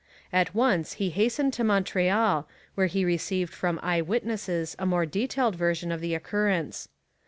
At once he hastened to Montreal, where he received from eye witnesses a more detailed version of the occurrence.